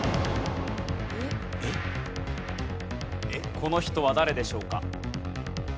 この人は誰でしょうか？